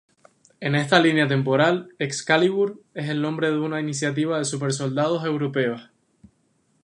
En esta línea temporal, Excalibur, es el nombre de una iniciativa de Super-Soldados europeos.